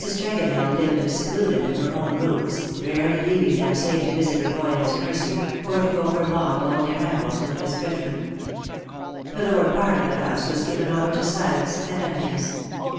Tregonell lived secluded in her own rooms, rarely leaving tliem save to visit lier boy in his nursery, or to go for long lonely rambles with Miss Bridgeman. The lower part of the house was given over to silence and emptiness.